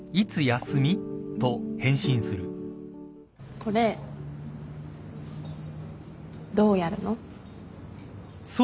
これどうやるの？